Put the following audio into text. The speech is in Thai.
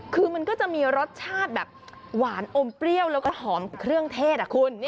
คือมันก็จะมีรสชาติแบบหวานอมเปรี้ยวแล้วก็หอมเครื่องเทศอ่ะคุณ